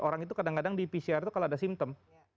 orang itu kadang kadang di pcr itu kalau ada simptom